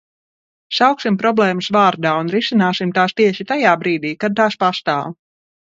Sauksim problēmas vārdā un risināsim tās tieši tajā brīdī, kad tās pastāv.